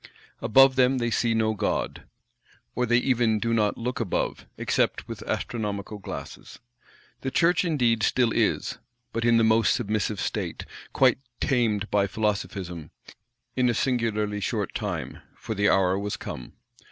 Above them they see no God; or they even do not look above, except with astronomical glasses. The Church indeed still is; but in the most submissive state; quite tamed by Philosophism; in a singularly short time; for the hour was come.